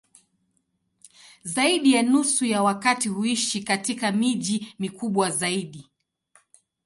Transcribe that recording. Zaidi ya nusu ya wakazi huishi katika miji mikubwa zaidi.